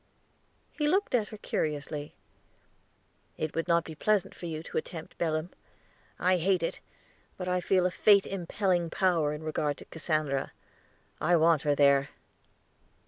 He looked at her curiously. "It would not be pleasant for you to attempt Belem. I hate it, but I feel a fate impelling power in regard to Cassandra; I want her there."